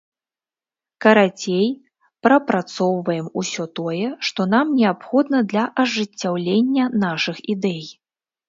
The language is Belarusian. Карацей, прапрацоўваем усё тое, што нам неабходна для ажыццяўлення нашых ідэй.